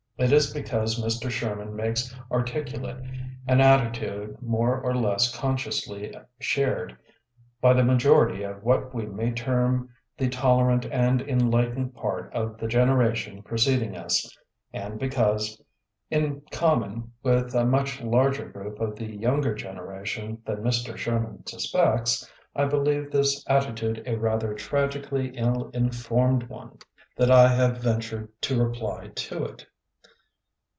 It is because Mr. Sherman makes articulate an atti tude more or less consciously shared by the majority of what we may term the tolerant and enlightened part of the generation preceding us, and be cause, in common with a much larger group of the younger generation than Mr. Sherman suspects, I believe this attitude a rather tragically ill in formed one, that I have ventured to reply to it.